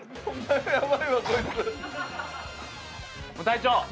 隊長！